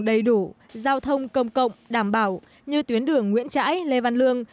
đầy đủ giao thông công cộng đảm bảo như tuyến đường nguyễn trãi lê văn lương